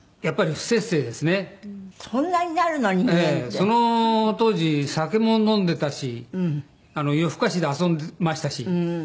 その当時酒も飲んでたし夜更かしで遊んでましたし。